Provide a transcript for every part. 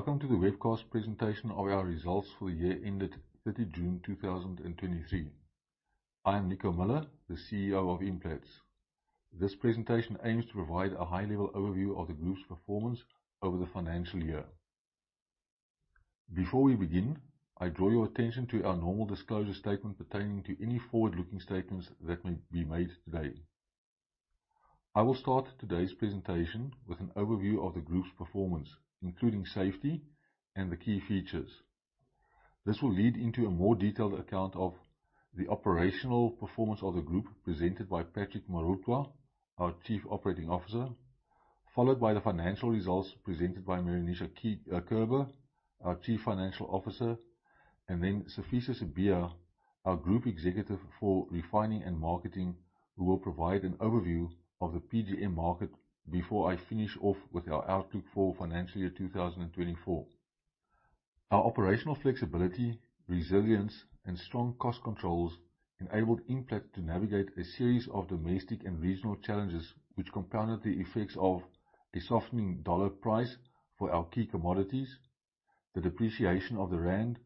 Welcome to the webcast presentation of our results for the year ended 30 June 2023. I am Nico Muller, the CEO of Implats. This presentation aims to provide a high-level overview of the group's performance over the financial year. Before we begin, I draw your attention to our normal disclosure statement pertaining to any forward-looking statements that may be made today. I will start today's presentation with an overview of the group's performance, including safety and the key features. This will lead into a more detailed account of the operational performance of the group presented by Patrick Morutlwa, our Group Chief Operating Officer, followed by the financial results presented by Meroonisha Kerber, our Chief Financial Officer, and Sifiso Sibiya, our Group Executive: Refining and Marketing, who will provide an overview of the PGM market before I finish off with our outlook for financial year 2024. Our operational flexibility, resilience, and strong cost controls enabled Implats to navigate a series of domestic and regional challenges which compounded the effects of a softening dollar price for our key commodities, the depreciation of the rand,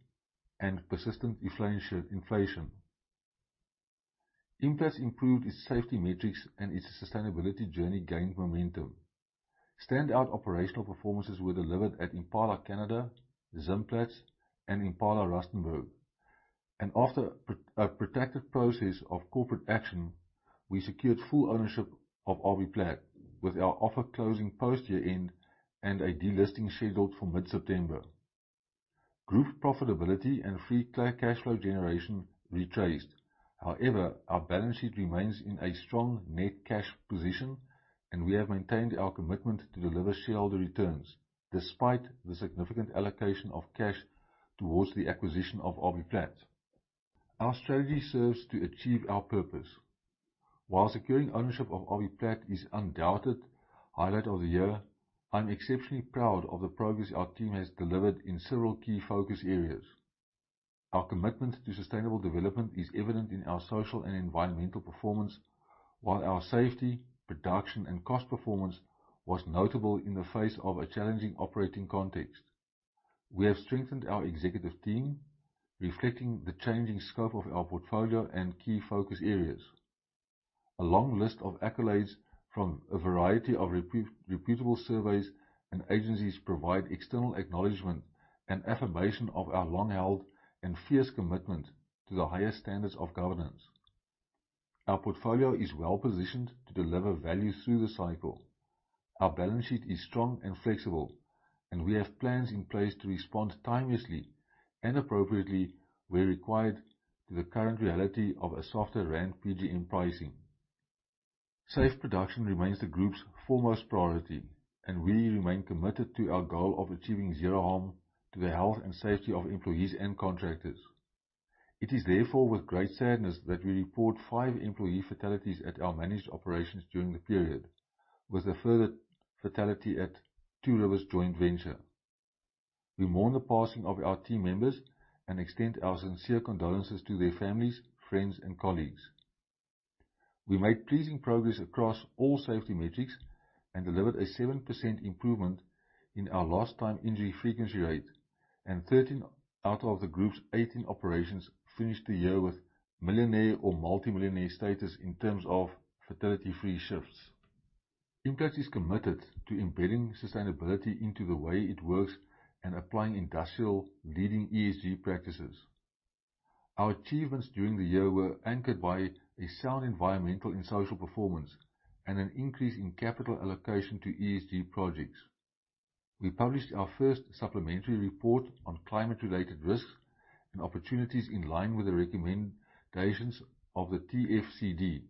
and persistent inflation. Implats improved its safety metrics and its sustainability journey gained momentum. Standout operational performances were delivered at Impala Canada, Zimplats, and Impala Rustenburg. After a protracted process of corporate action, we secured full ownership of RB Plat with our offer closing post year-end and a delisting scheduled for mid-September. Group profitability and free cash flow generation retraced. However, our balance sheet remains in a strong net cash position, and we have maintained our commitment to deliver shareholder returns despite the significant allocation of cash towards the acquisition of RB Plat. Our strategy serves to achieve our purpose. While securing ownership of RB Plat is undoubted highlight of the year, I'm exceptionally proud of the progress our team has delivered in several key focus areas. Our commitment to sustainable development is evident in our social and environmental performance, while our safety, production, and cost performance was notable in the face of a challenging operating context. We have strengthened our executive team, reflecting the changing scope of our portfolio and key focus areas. A long list of accolades from a variety of reputable surveys and agencies provide external acknowledgment and affirmation of our long-held and fierce commitment to the highest standards of governance. Our portfolio is well-positioned to deliver value through the cycle. Our balance sheet is strong and flexible, and we have plans in place to respond timeously and appropriately where required to the current reality of a softer rand PGM pricing. Safe production remains the group's foremost priority, and we remain committed to our goal of achieving zero harm to the health and safety of employees and contractors. It is therefore with great sadness that we report five employee fatalities at our managed operations during the period, with a further fatality at Two Rivers Platinum Mine. We mourn the passing of our team members and extend our sincere condolences to their families, friends, and colleagues. We made pleasing progress across all safety metrics and delivered a 7% improvement in our lost time injury frequency rate and 13 out of the group's 18 operations finished the year with millionaire or multimillionaire status in terms of fatality-free shifts. Implats is committed to embedding sustainability into the way it works and applying industrial leading ESG practices. Our achievements during the year were anchored by a sound environmental and social performance and an increase in capital allocation to ESG projects. We published our first supplementary report on climate-related risks and opportunities in line with the recommendations of the TCFD.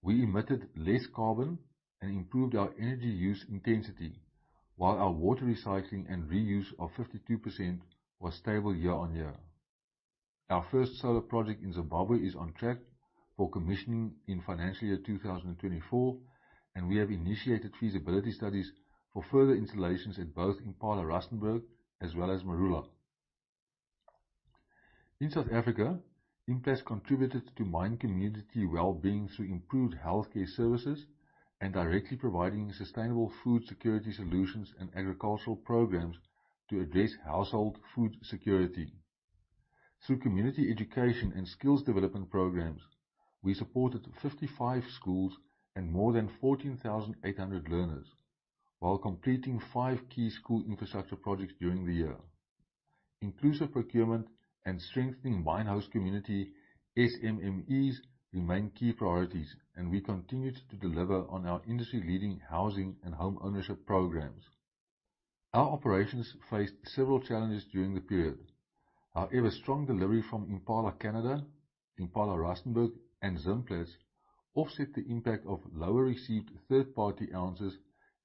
We emitted less carbon and improved our energy use intensity, while our water recycling and reuse of 52% was stable year on year. Our first solar project in Zimbabwe is on track for commissioning in financial year 2024, and we have initiated feasibility studies for further installations at both Impala Rustenburg as well as Marula. In South Africa, Implats contributed to mine community well-being through improved healthcare services and directly providing sustainable food security solutions and agricultural programs to address household food security. Through community education and skills development programs, we supported 55 schools and more than 14,800 learners while completing five key school infrastructure projects during the year. Inclusive procurement and strengthening mine host community SMMEs remain key priorities, and we continued to deliver on our industry-leading housing and homeownership programs. Our operations faced several challenges during the period. However, strong delivery from Impala Canada, Impala Rustenburg, and Zimplats offset the impact of lower received third-party ounces,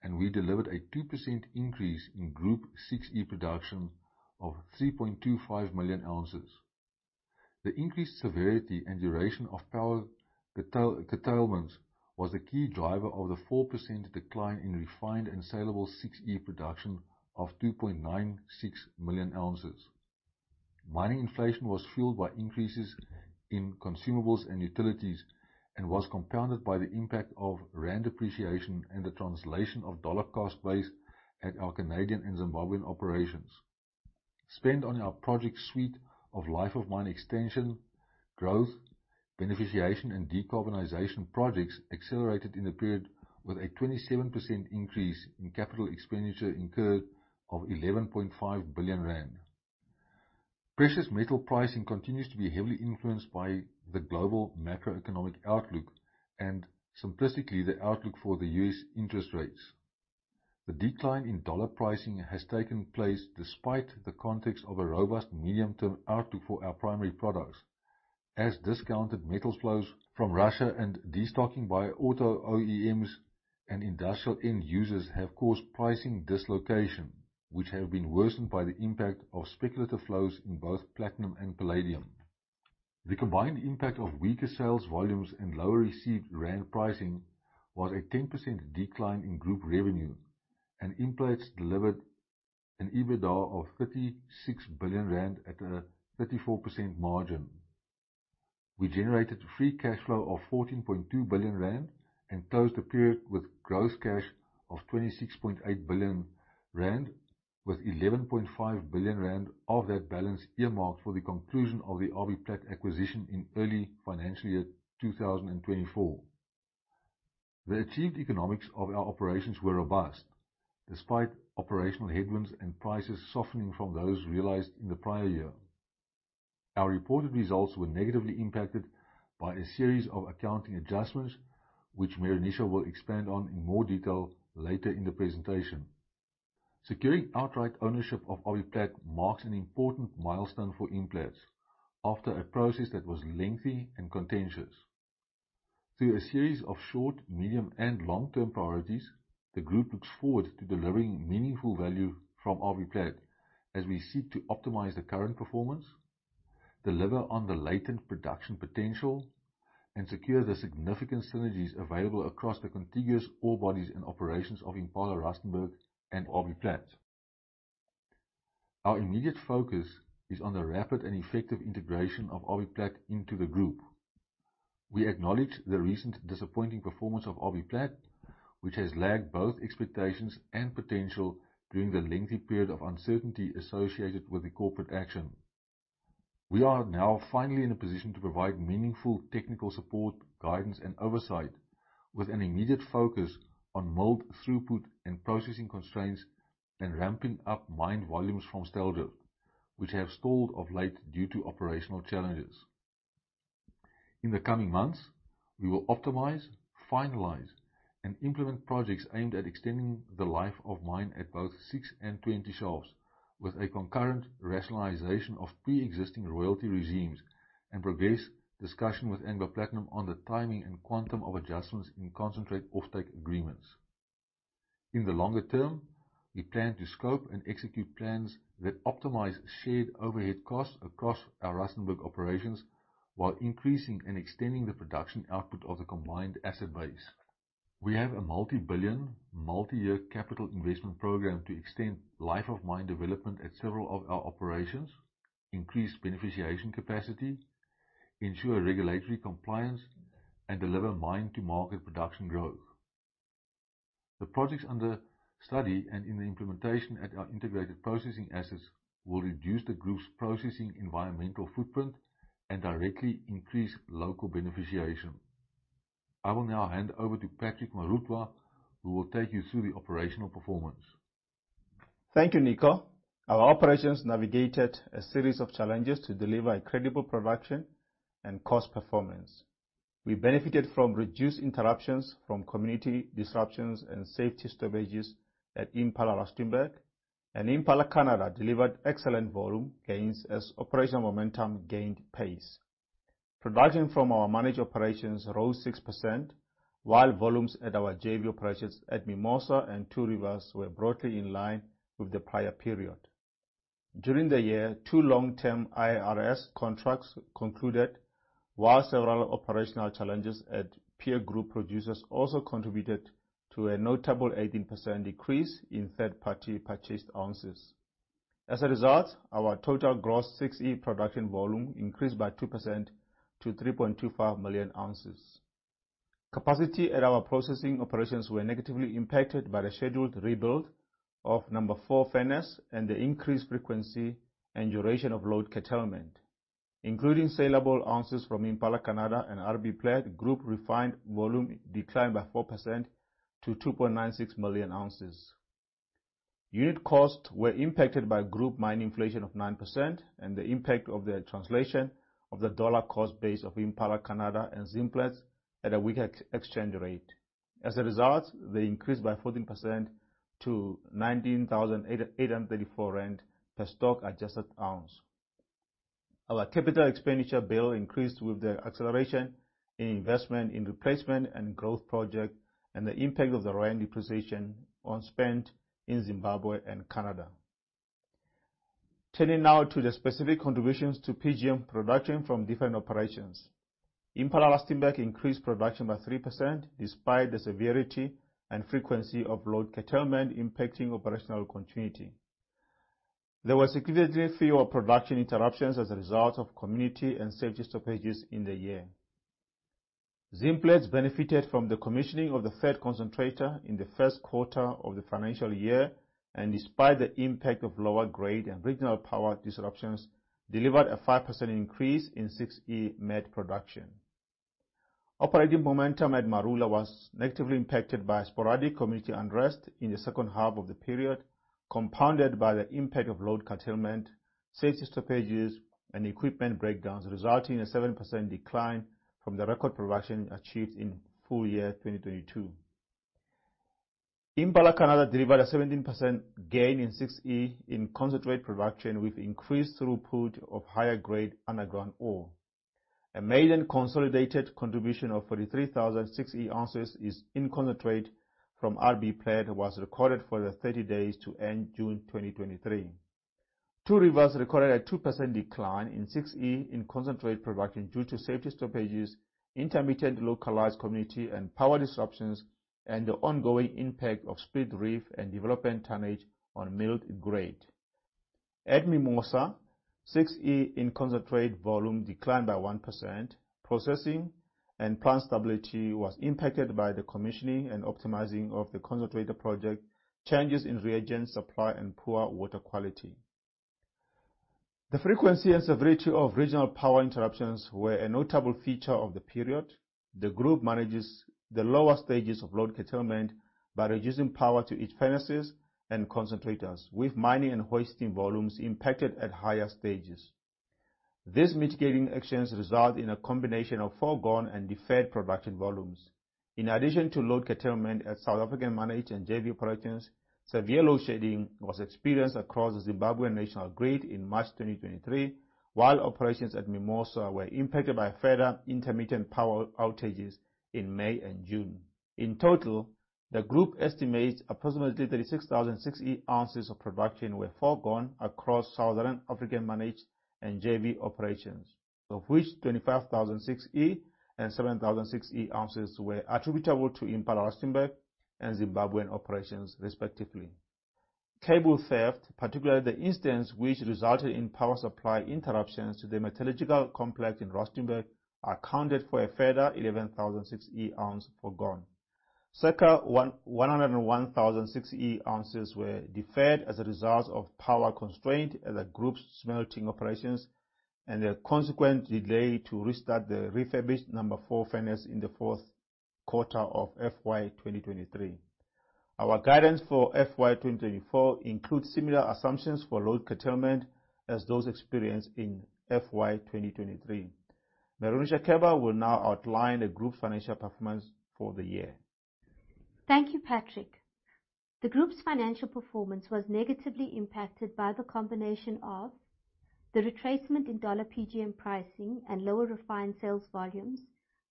and we delivered a 2% increase in Group 6E production of 3.25 million ounces. The increased severity and duration of power curtailments was the key driver of the 4% decline in refined and saleable 6E production of 2.96 million ounces. Mining inflation was fueled by increases in consumables and utilities and was compounded by the impact of ZAR depreciation and the translation of USD cost base at our Canadian and Zimbabwean operations. Spend on our project suite of life of mine extension, growth, beneficiation, and decarbonization projects accelerated in the period with a 27% increase in capital expenditure incurred of 11.5 billion rand. Precious metal pricing continues to be heavily influenced by the global macroeconomic outlook and simplistically the outlook for the U.S. interest rates. The decline in USD pricing has taken place despite the context of a robust medium-term outlook for our primary products, as discounted metal flows from Russia and destocking by auto OEMs and industrial end users have caused pricing dislocation, which have been worsened by the impact of speculative flows in both platinum and palladium. The combined impact of weaker sales volumes and lower received ZAR pricing was a 10% decline in Group revenue, and Implats delivered an EBITDA of 36 billion rand at a 34% margin. We generated free cash flow of 14.2 billion rand and closed the period with gross cash of 26.8 billion rand, with 11.5 billion rand of that balance earmarked for the conclusion of the RB Plat acquisition in early financial year 2024. The achieved economics of our operations were robust, despite operational headwinds and prices softening from those realized in the prior year. Our reported results were negatively impacted by a series of accounting adjustments, which Meroonisha will expand on in more detail later in the presentation. Securing outright ownership of RB Plat marks an important milestone for Implats after a process that was lengthy and contentious. Through a series of short, medium, and long-term priorities, the group looks forward to delivering meaningful value from RB Plat as we seek to optimize the current performance, deliver on the latent production potential, and secure the significant synergies available across the contiguous ore bodies and operations of Impala Rustenburg and RB Plat. Our immediate focus is on the rapid and effective integration of RB Plat into the group. We acknowledge the recent disappointing performance of RB Plat, which has lagged both expectations and potential during the lengthy period of uncertainty associated with the corporate action. We are now finally in a position to provide meaningful technical support, guidance, and oversight with an immediate focus on milled throughput and processing constraints and ramping up mine volumes from Styldrift, which have stalled of late due to operational challenges. In the coming months, we will optimize, finalize, and implement projects aimed at extending the life of mine at both 6 and 20 shafts with a concurrent rationalization of preexisting royalty regimes and progress discussion with Anglo Platinum on the timing and quantum of adjustments in concentrate offtake agreements. In the longer term, we plan to scope and execute plans that optimize shared overhead costs across our Rustenburg operations while increasing and extending the production output of the combined asset base. We have a multi-billion, multi-year capital investment program to extend life of mine development at several of our operations, increase beneficiation capacity, ensure regulatory compliance, and deliver mine-to-market production growth. The projects under study and in the implementation at our integrated processing assets will reduce the group's processing environmental footprint and directly increase local beneficiation. I will now hand over to Patrick Morutlwa, who will take you through the operational performance. Thank you, Nico. Our operations navigated a series of challenges to deliver incredible production and cost performance. We benefited from reduced interruptions from community disruptions and safety stoppages at Impala Rustenburg, and Impala Canada delivered excellent volume gains as operational momentum gained pace. Production from our managed operations rose 6%, while volumes at our JV operations at Mimosa and Two Rivers were broadly in line with the prior period. During the year, two long-term IRS contracts concluded, while several operational challenges at peer group producers also contributed to a notable 18% decrease in third-party purchased ounces. As a result, our total gross 6E production volume increased by 2% to 3.25 million ounces. Capacity at our processing operations were negatively impacted by the scheduled rebuild of number four furnace and the increased frequency and duration of load curtailment. Including saleable ounces from Impala Canada and RB Plat, group refined volume declined by 4% to 2.96 million ounces. Unit costs were impacted by group mine inflation of 9% and the impact of the translation of the dollar cost base of Impala Canada and Zimplats at a weaker exchange rate. As a result, they increased by 14% to 19,834 rand per stock adjusted ounce. Our capital expenditure bill increased with the acceleration in investment in replacement and growth project and the impact of the rand depreciation on spend in Zimbabwe and Canada. Turning now to the specific contributions to PGM production from different operations. Impala Rustenburg increased production by 3% despite the severity and frequency of load curtailment impacting operational continuity. There were significantly fewer production interruptions as a result of community and safety stoppages in the year. Zimplats benefited from the commissioning of the third concentrator in the first quarter of the financial year, despite the impact of lower grade and regional power disruptions, delivered a 5% increase in 6E matte production. Operating momentum at Marula was negatively impacted by sporadic community unrest in the second half of the period, compounded by the impact of load curtailment, safety stoppages, and equipment breakdowns, resulting in a 7% decline from the record production achieved in full year 2022. Impala Canada delivered a 17% gain in 6E in concentrate production with increased throughput of higher grade underground ore. A maiden consolidated contribution of 43,000 6E ounces in concentrate from RB Plat was recorded for the 30 days to end June 2023. Two Rivers recorded a 2% decline in 6E in concentrate production due to safety stoppages, intermittent localized community and power disruptions, and the ongoing impact of split reef and development tonnage on milled grade. At Mimosa, 6E in concentrate volume declined by 1%. Processing and plant stability was impacted by the commissioning and optimizing of the concentrator project, changes in reagent supply, and poor water quality. The frequency and severity of regional power interruptions were a notable feature of the period. The group manages the lower stages of load curtailment by reducing power to each furnaces and concentrators with mining and hoisting volumes impacted at higher stages. These mitigating actions result in a combination of foregone and deferred production volumes. In addition to load curtailment at South African managed and JV operations, severe load shedding was experienced across Zimbabwean national grid in March 2023, while operations at Mimosa were impacted by further intermittent power outages in May and June. In total, the group estimates approximately 36,000 6E ounces of production were foregone across Southern African managed and JV operations, of which 25,000 6E and 7,000 6E ounces were attributable to Impala Rustenburg and Zimbabwean operations respectively. Cable theft, particularly the instance which resulted in power supply interruptions to the metallurgical complex in Rustenburg, accounted for a further 11,000 6E ounce foregone. Circa 101,000 6E ounces were deferred as a result of power constraint at the group's smelting operations and a consequent delay to restart the refurbished number four furnace in the fourth quarter of FY 2023. Our guidance for FY 2024 includes similar assumptions for load curtailment as those experienced in FY 2023. Meroonisha Kerber will now outline the group's financial performance for the year. Thank you, Patrick. The group's financial performance was negatively impacted by the combination of the retracement in dollar PGM pricing and lower refined sales volumes,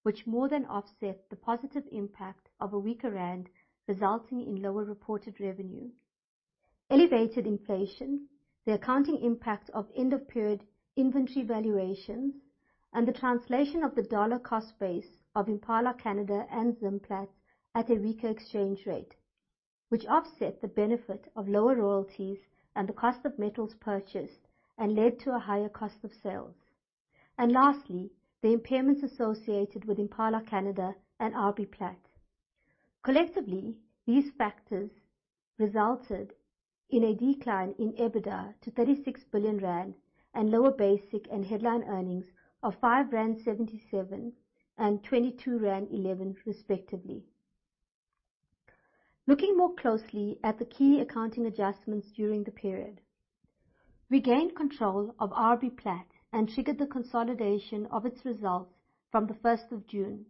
which more than offset the positive impact of a weaker rand, resulting in lower reported revenue. Elevated inflation, the accounting impact of end-of-period inventory valuations, and the translation of the dollar cost base of Impala Canada and Zimplats at a weaker exchange rate, which offset the benefit of lower royalties and the cost of metals purchased and led to a higher cost of sales. Lastly, the impairments associated with Impala Canada and RB Plat. Collectively, these factors resulted in a decline in EBITDA to 36 billion rand and lower basic and headline earnings of 5.77 rand and 22.11 rand respectively. Looking more closely at the key accounting adjustments during the period. We gained control of RB Plat and triggered the consolidation of its results from the 1st of June.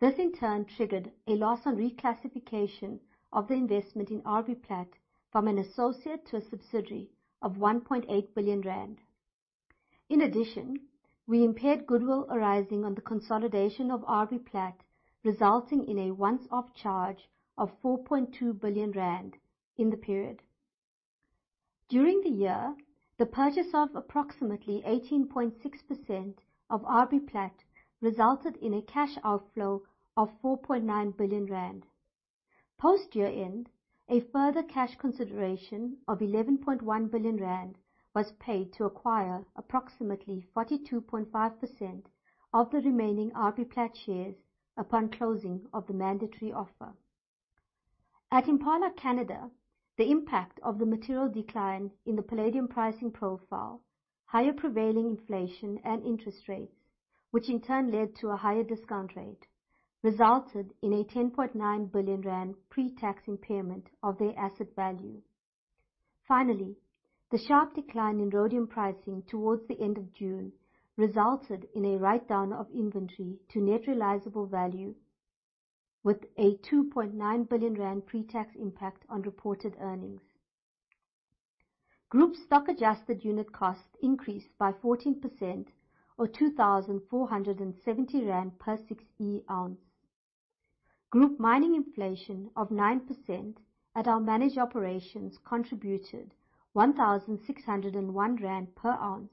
This in turn triggered a loss on reclassification of the investment in RB Plat from an associate to a subsidiary of 1.8 billion rand. In addition, we impaired goodwill arising on the consolidation of RB Plat, resulting in a once-off charge of 4.2 billion rand in the period. During the year, the purchase of approximately 18.6% of RB Plat resulted in a cash outflow of 4.9 billion rand. Post year-end, a further cash consideration of 11.1 billion rand was paid to acquire approximately 42.5% of the remaining RB Plat shares upon closing of the mandatory offer. At Impala Canada, the impact of the material decline in the palladium pricing profile, higher prevailing inflation and interest rates, which in turn led to a higher discount rate, resulted in a 10.9 billion rand pre-tax impairment of their asset value. Finally, the sharp decline in rhodium pricing towards the end of June resulted in a write-down of inventory to net realisable value with a 2.9 billion rand pre-tax impact on reported earnings. Group stock adjusted unit cost increased by 14% or 2,470 rand per 6E ounce. Group mining inflation of 9% at our managed operations contributed 1,601 rand per ounce,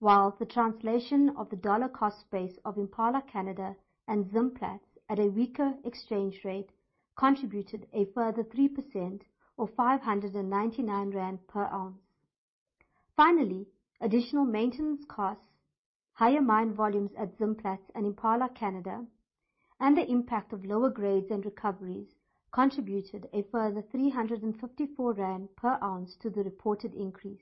while the translation of the dollar cost base of Impala Canada and Zimplats at a weaker exchange rate contributed a further 3% or 599 rand per ounce. Additional maintenance costs, higher mine volumes at Zimplats and Impala Canada, and the impact of lower grades and recoveries contributed a further 354 rand per ounce to the reported increase.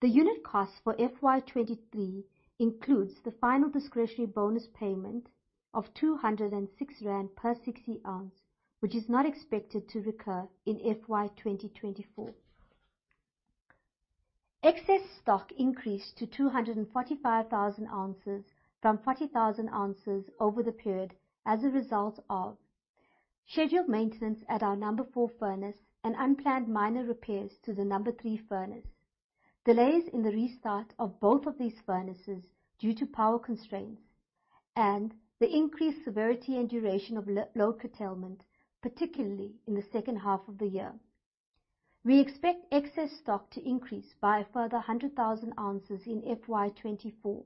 The unit cost for FY 2023 includes the final discretionary bonus payment of 206 rand per 6E ounce, which is not expected to recur in FY 2024. Excess stock increased to 245,000 ounces from 40,000 ounces over the period as a result of scheduled maintenance at our number four furnace and unplanned minor repairs to the number three furnace, delays in the restart of both of these furnaces due to power constraints, and the increased severity and duration of load curtailment, particularly in the second half of the year. We expect excess stock to increase by a further 100,000 ounces in FY 2024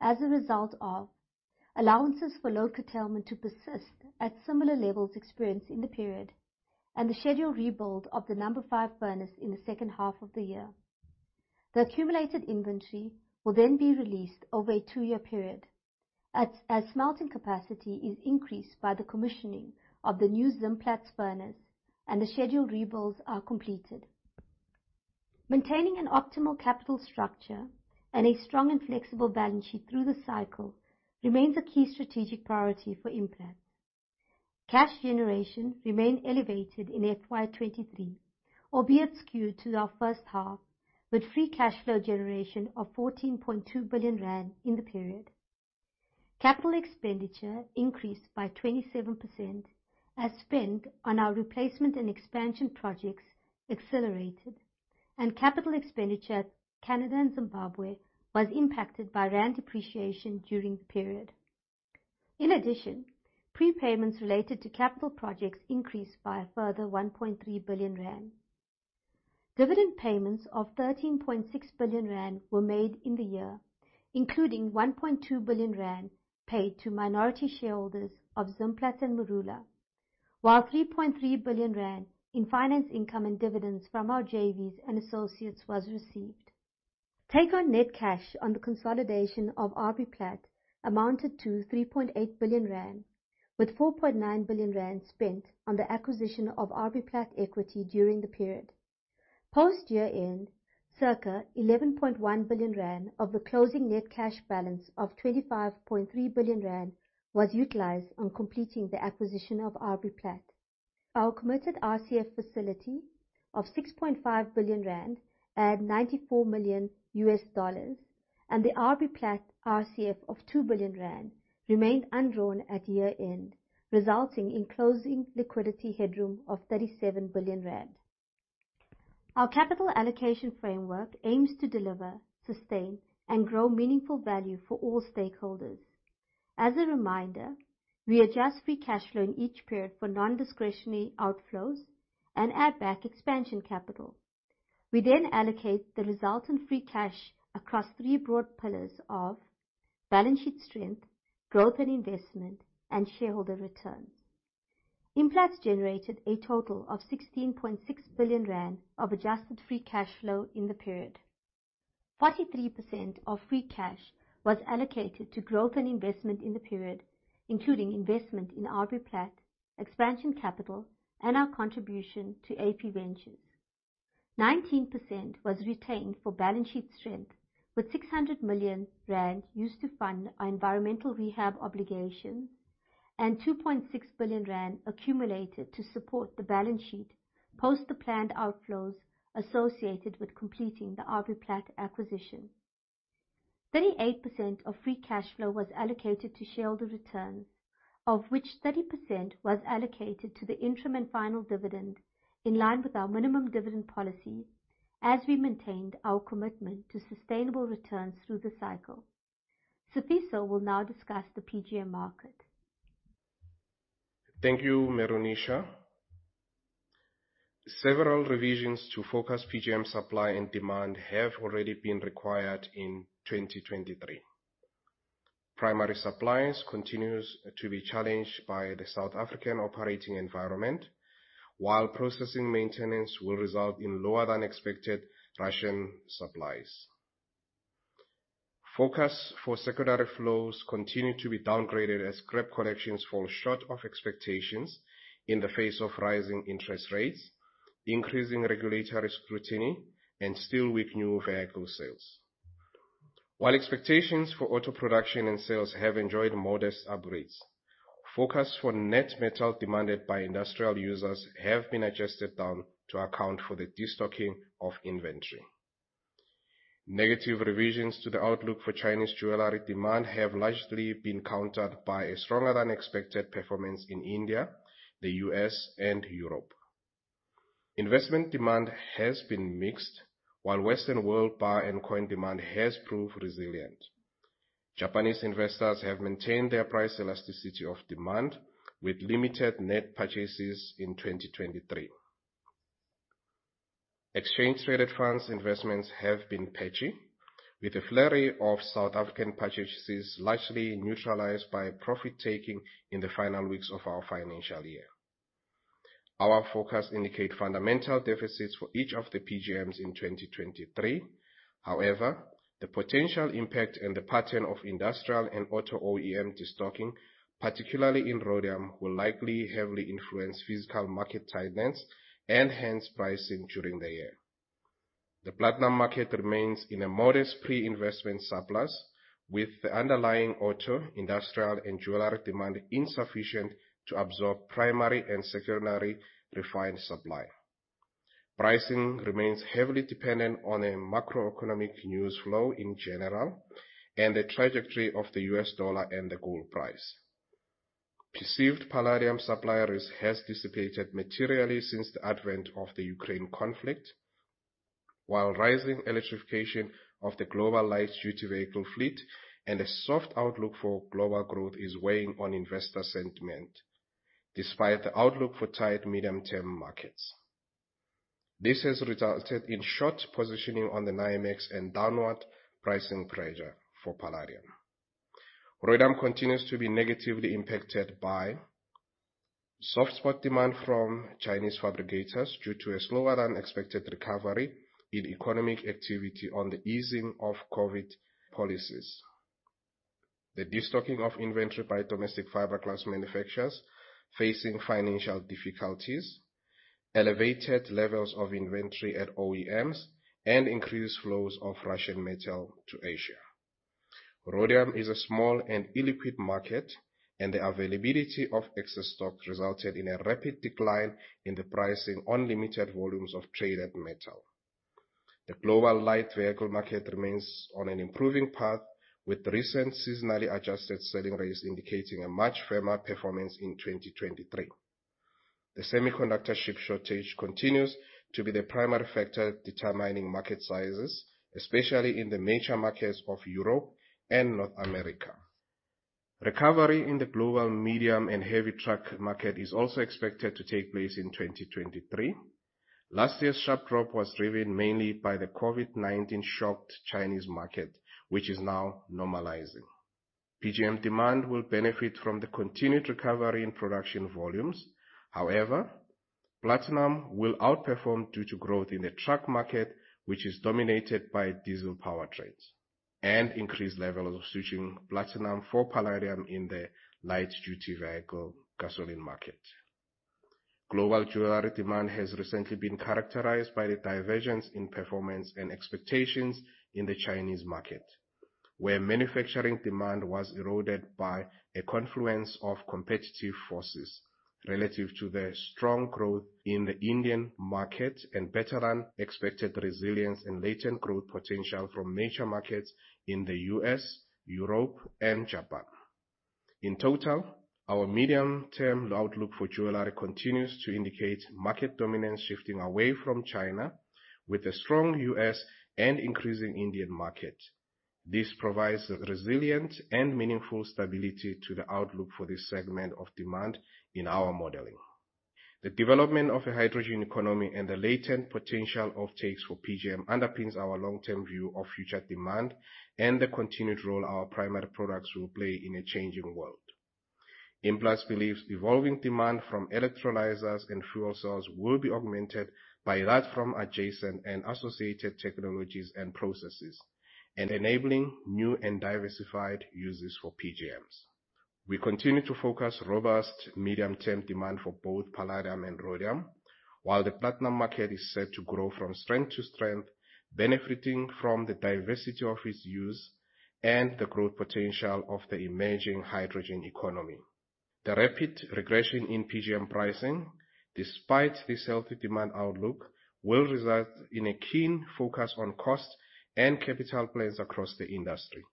as a result of allowances for load curtailment to persist at similar levels experienced in the period, and the scheduled rebuild of the number five furnace in the second half of the year. The accumulated inventory will then be released over a two-year period as smelting capacity is increased by the commissioning of the new Zimplats furnace and the scheduled rebuilds are completed. Maintaining an optimal capital structure and a strong and flexible balance sheet through the cycle remains a key strategic priority for Implats. Cash generation remained elevated in FY 2023, albeit skewed to our first half, with free cash flow generation of 14.2 billion rand in the period. Capital expenditure increased by 27% as spend on our replacement and expansion projects accelerated, and capital expenditure at Canada and Zimbabwe was impacted by ZAR depreciation during the period. Prepayments related to capital projects increased by a further 1.3 billion rand. Dividend payments of 13.6 billion rand were made in the year, including 1.2 billion rand paid to minority shareholders of Zimplats and Marula, while 3.3 billion rand in finance income and dividends from our JVs and associates was received. Take on net cash on the consolidation of Royal Bafokeng Platinum amounted to 3.8 billion rand, with 4.9 billion rand spent on the acquisition of Royal Bafokeng Platinum equity during the period. Post year-end, circa 11.1 billion rand of the closing net cash balance of 25.3 billion rand was utilized on completing the acquisition of Royal Bafokeng Platinum. Our committed RCF facility of 6.5 billion rand and $94 million, and the Royal Bafokeng Platinum RCF of 2 billion rand remained undrawn at year-end, resulting in closing liquidity headroom of 37 billion rand. Our capital allocation framework aims to deliver, sustain, and grow meaningful value for all stakeholders. We adjust free cash flow in each period for non-discretionary outflows and add back expansion capital. We then allocate the resultant free cash across three broad pillars of balance sheet strength, growth and investment, and shareholder returns. Implats generated a total of 16.6 billion rand of adjusted free cash flow in the period. 43% of free cash was allocated to growth and investment in the period, including investment in Royal Bafokeng Platinum, expansion capital, and our contribution to AP Ventures. 19% was retained for balance sheet strength, with 600 million rand used to fund our environmental rehab obligation and 2.6 billion rand accumulated to support the balance sheet post the planned outflows associated with completing the RBPlat acquisition. 38% of free cash flow was allocated to shareholder returns, of which 30% was allocated to the interim and final dividend in line with our minimum dividend policy as we maintained our commitment to sustainable returns through the cycle. Sifiso will now discuss the PGM market. Thank you, Meroonisha. Several revisions to focus PGM supply and demand have already been required in 2023. Primary supplies continues to be challenged by the South African operating environment, while processing maintenance will result in lower than expected Russian supplies. Focus for secondary flows continue to be downgraded as scrap collections fall short of expectations in the face of rising interest rates, increasing regulatory scrutiny, and still weak new vehicle sales. While expectations for auto production and sales have enjoyed modest upgrades, focus for net metal demanded by industrial users have been adjusted down to account for the destocking of inventory. Negative revisions to the outlook for Chinese jewelry demand have largely been countered by a stronger than expected performance in India, the U.S., and Europe. Investment demand has been mixed, while Western world bar and coin demand has proved resilient. Japanese investors have maintained their price elasticity of demand with limited net purchases in 2023. Exchange-traded funds investments have been patchy, with a flurry of South African purchases largely neutralized by profit-taking in the final weeks of our financial year. Our forecasts indicate fundamental deficits for each of the PGMs in 2023. However, the potential impact and the pattern of industrial and auto OEM destocking, particularly in rhodium, will likely heavily influence physical market tightness and hence pricing during the year. The platinum market remains in a modest pre-investment surplus, with the underlying auto, industrial, and jewelry demand insufficient to absorb primary and secondary refined supply. Pricing remains heavily dependent on a macroeconomic news flow in general and the trajectory of the U.S. dollar and the gold price. Perceived palladium supply risk has dissipated materially since the advent of the Ukraine conflict, while rising electrification of the global light-duty vehicle fleet and a soft outlook for global growth is weighing on investor sentiment despite the outlook for tight medium-term markets. This has resulted in short positioning on the NYMEX and downward pricing pressure for palladium. Rhodium continues to be negatively impacted by soft spot demand from Chinese fabricators due to a slower-than-expected recovery in economic activity on the easing of COVID policies, the destocking of inventory by domestic fiberglass manufacturers facing financial difficulties, elevated levels of inventory at OEMs, and increased flows of Russian metal to Asia. Rhodium is a small and illiquid market, and the availability of excess stock resulted in a rapid decline in the pricing on limited volumes of traded metal. The global light vehicle market remains on an improving path, with recent seasonally adjusted selling rates indicating a much firmer performance in 2023. The semiconductor chip shortage continues to be the primary factor determining market sizes, especially in the major markets of Europe and North America. Recovery in the global medium and heavy truck market is also expected to take place in 2023. Last year's sharp drop was driven mainly by the COVID-19 shocked Chinese market, which is now normalizing. PGM demand will benefit from the continued recovery in production volumes. However, platinum will outperform due to growth in the truck market, which is dominated by diesel powertrains, and increased levels of switching platinum for palladium in the light-duty vehicle gasoline market. Global jewelry demand has recently been characterized by the divergence in performance and expectations in the Chinese market, where manufacturing demand was eroded by a confluence of competitive forces relative to the strong growth in the Indian market and better-than-expected resilience and latent growth potential from major markets in the U.S., Europe, and Japan. In total, our medium-term outlook for jewelry continues to indicate market dominance shifting away from China with a strong U.S. and increasing Indian market. This provides resilient and meaningful stability to the outlook for this segment of demand in our modeling. The development of a hydrogen economy and the latent potential of takes for PGM underpins our long-term view of future demand and the continued role our primary products will play in a changing world. Implats believes evolving demand from electrolyzers and fuel cells will be augmented by that from adjacent and associated technologies and processes and enabling new and diversified uses for PGMs. We continue to forecast robust medium-term demand for both palladium and rhodium, while the platinum market is set to grow from strength to strength, benefiting from the diversity of its use and the growth potential of the emerging hydrogen economy. The rapid regression in PGM pricing, despite this healthy demand outlook, will result in a keen focus on cost and capital plans across the industry,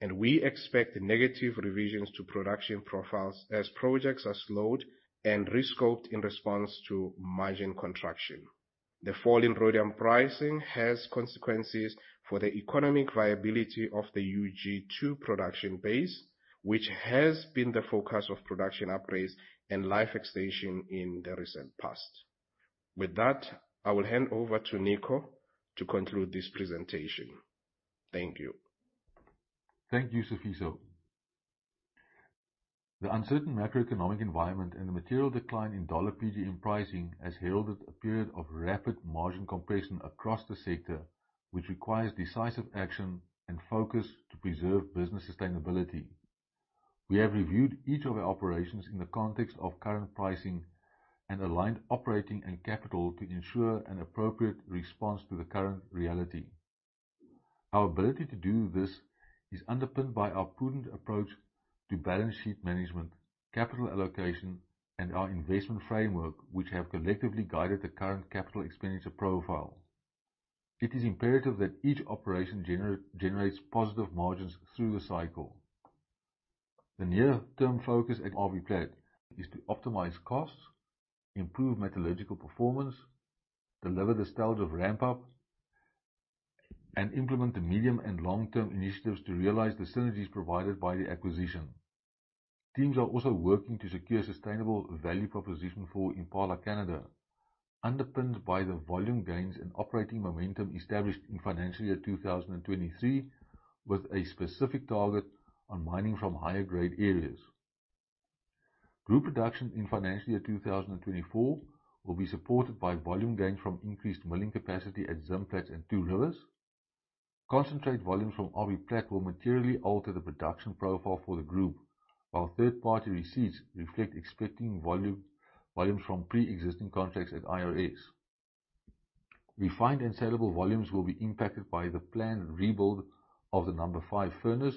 and we expect negative revisions to production profiles as projects are slowed and rescoped in response to margin contraction. The fall in rhodium pricing has consequences for the economic viability of the UG2 production base, which has been the focus of production upgrades and life extension in the recent past. With that, I will hand over to Nico to conclude this presentation. Thank you. Thank you, Sifiso. The uncertain macroeconomic environment and the material decline in dollar PGM pricing has heralded a period of rapid margin compression across the sector, which requires decisive action and focus to preserve business sustainability. We have reviewed each of our operations in the context of current pricing and aligned operating and capital to ensure an appropriate response to the current reality. Our ability to do this is underpinned by our prudent approach to balance sheet management, capital allocation, and our investment framework, which have collectively guided the current capital expenditure profile. It is imperative that each operation generates positive margins through the cycle. The near-term focus at RB Plat is to optimize costs, improve metallurgical performance, deliver the stage of ramp-up, and implement the medium and long-term initiatives to realize the synergies provided by the acquisition. Teams are also working to secure sustainable value proposition for Impala Canada, underpinned by the volume gains and operating momentum established in financial year 2023, with a specific target on mining from higher grade areas. Group production in financial year 2024 will be supported by volume gains from increased milling capacity at Zimplats and Two Rivers. Concentrate volumes from RB Plat will materially alter the production profile for the group, while third-party receipts reflect expecting volumes from pre-existing contracts at IRS. Refined and sellable volumes will be impacted by the planned rebuild of the number five furnace,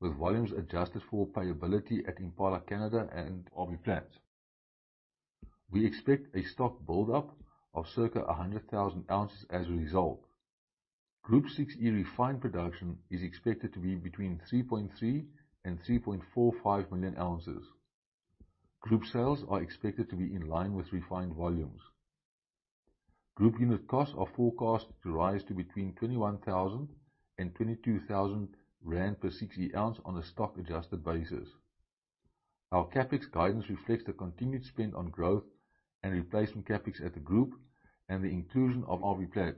with volumes adjusted for payability at Impala Canada and RBPlat. We expect a stock build-up of circa 100,000 ounces as a result. Group 6E refined production is expected to be between 3.3 and 3.45 million ounces. Group sales are expected to be in line with refined volumes. Group unit costs are forecast to rise to between 21,000 and 22,000 rand per 6E ounce on a stock-adjusted basis. Our CapEx guidance reflects the continued spend on growth and replacement CapEx at the group and the inclusion of RB Plat,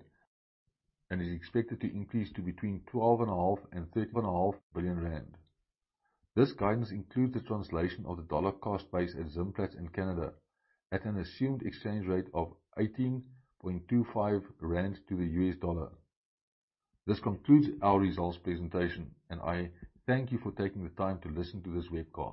and is expected to increase to between 12.5 billion rand and 13.5 billion rand. This guidance includes the translation of the dollar cost base at Zimplats in Canada at an assumed exchange rate of 18.25 rand to the USD. This concludes our results presentation, and I thank you for taking the time to listen to this web call.